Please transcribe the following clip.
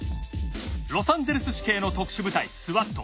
ロサンゼルス市警の特殊部隊スワット。